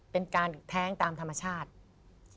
เป็นการแท้งตามธรรมชาติ